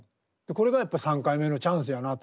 これがやっぱ３回目のチャンスやなと。